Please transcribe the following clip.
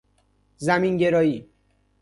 زمین گرایی